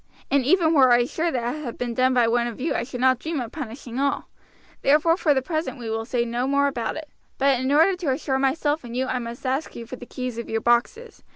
And even were I sure that it had been done by one of you I should not dream of punishing all; therefore for the present we will say no more about it. But in order to assure myself and you I must ask you for the keys of your boxes.